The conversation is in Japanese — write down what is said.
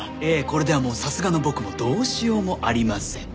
これではもうさすがの僕もどうしようもありません。